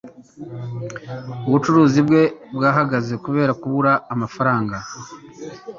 Ubucuruzi bwe bwahagaze kubera kubura amafaranga.